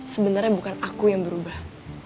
sebenarnya bukan aku yang berubah